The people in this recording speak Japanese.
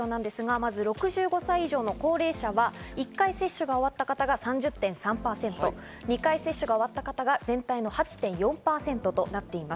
まず６５歳以上の高齢者は１回接種が終わった方が３０．３％、２回接種が終わった方が全体の８．４％となっています。